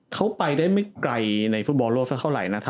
เขาไปได้ไม่ไกลในฟุตบอลโลกสักเท่าไหร่นะครับ